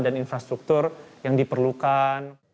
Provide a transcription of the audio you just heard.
dan infrastruktur yang diperlukan